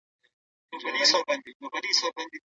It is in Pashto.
فرهنګ او نهادونه مهم رول لري.